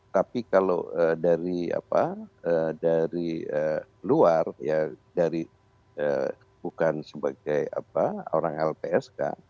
tapi kalau dari luar bukan sebagai orang lpsk